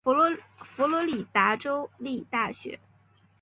佛罗里达州立大学。